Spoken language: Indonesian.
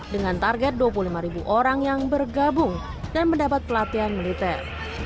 dengan target dua puluh lima orang yang bergabung dan mendapat pelatihan militer